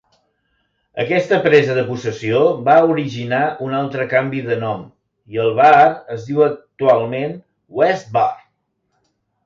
Aquesta presa de possessió va originar un altre canvi de nom i el bar es diu actualment "West Bar".